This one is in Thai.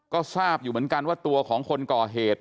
ก็ทราบอยู่เหมือนกันว่าตัวของคนก่อเหตุ